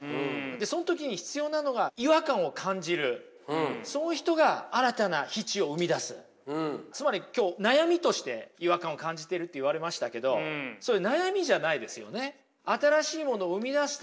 その時に必要なのがそういう人がつまり今日悩みとして違和感を感じてるって言われましたけどそれ悩みじゃないですよね。